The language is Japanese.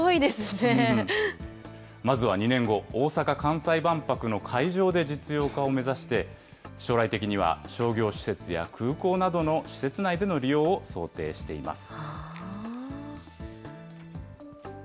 まずは２年後、大阪・関西万博の会場で実用化を目指して、将来的には商業施設や空港などの施設内での利用を想定しています。